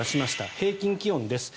平均気温です。